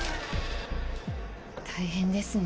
大変ですね。